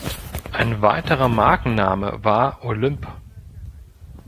Ein weiterer Markenname war "Olymp".